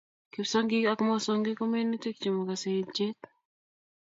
Kipshongik ak mosongik ko minutik che mokosei ichet